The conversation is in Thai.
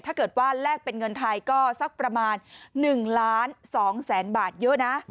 ถ้าเกิดว่าแลกเป็นเงินไทยก็สักประมาณ๑ล้าน๒แสนบาทเยอะนะ